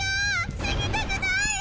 死にたくないよ！